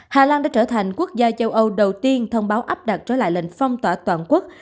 hà lan đã trở thành quốc gia châu âu đầu tiên thông báo áp đặt trở lại lệnh phong tỏa toàn quốc